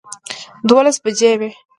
دولس بجې وې